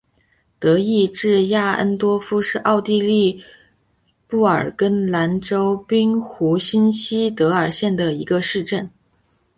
德意志亚恩多夫是奥地利布尔根兰州滨湖新锡德尔县的一个市镇。